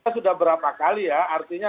sudah berapa kali ya artinya